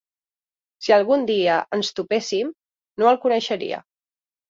Si algun dia ens topéssim, no el coneixeria.